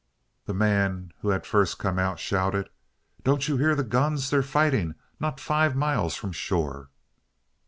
The man who had first come out shouted, "Don't you hear the guns? They're fighting—not five miles from shore."